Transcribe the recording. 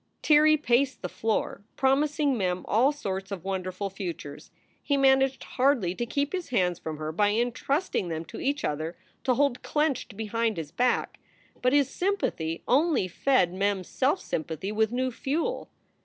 Tirrey paced the floor, promising Mem all sorts of won derful futures. He managed hardly to keep his hands from her by intrusting them to each other to hold clenched behind his back. But his sympathy only fed Mem s self sympathy with new fuel.